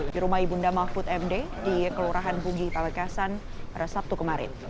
di rumah ibu nda mahfud md di kelurahan bugih pamekasan pada sabtu kemarin